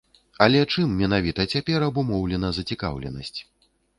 Але чым менавіта цяпер абумоўлена зацікаўленасць?